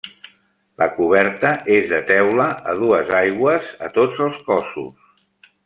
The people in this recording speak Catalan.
La coberta és de teula a dues aigües a tots els cossos.